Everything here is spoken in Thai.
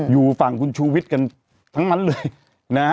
อยู่ฝั่งคุณชูวิทย์กันทั้งนั้นเลยนะฮะ